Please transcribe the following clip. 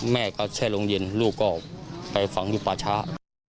แม่ก็ใช้โรงเย็นลูกก็ออกไปฝังลูกปาชา